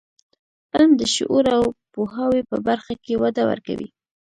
علم د شعور او پوهاوي په برخه کې وده ورکوي.